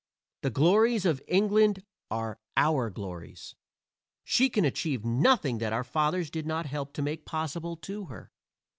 The glories of England are our glories. She can achieve nothing that our fathers did not help to make possible to her.